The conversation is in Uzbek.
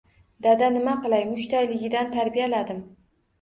Dada nima qilay mushtdayligidan tarbiyaladim.